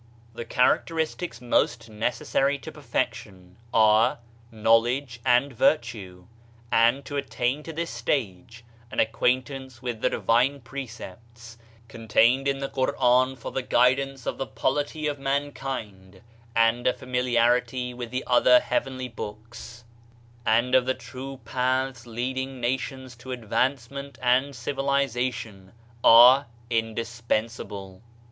41 Digitized by Google MYSTERIOUS FORCES The characteristics most necessary to perfec tion, are, knowledge and virtue, and to attain to this stage, an acquaintance with the divine pre cepts, contained in the Quran for the guidance of the polity of mankind, and a familarity with the other heavenly Books and of the true paths leading nations to advancement and civilization, are indispensable.